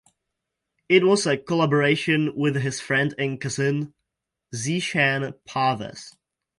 It was a collaboration with his friend and cousin, Zeeshan Parvez.